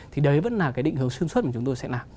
thì đấy vẫn là cái định hướng sản xuất mà chúng tôi sẽ làm